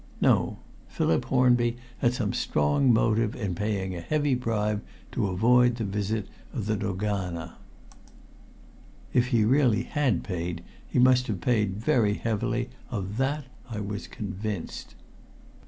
No. Philip Hornby had some strong motive in paying a heavy bribe to avoid the visit of the dogana. If he really had paid, he must have paid very heavily; of that I was convinced.